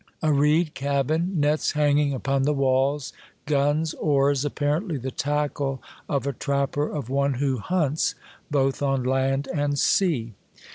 A reed cabin, nets hanging upon the walls, guns, oars, apparently the tackle of a trapper, of one who hunts both on land and sea.